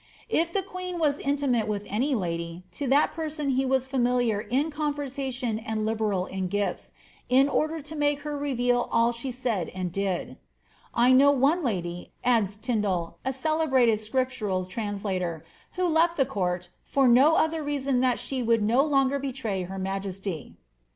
^^ If the queen was intimate with any lady, to that person he was familiar in conversation and liberal iu gifls, in order to make her reveal all she said and did.^' ^ I know one lady,^ adds Tindal, the celebrated Scriptural translator. ^ who left the court, for no other reason than that she would no longer betray her majesty.